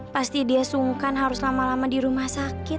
pasti dia sungkan harus lama lama di rumah sakit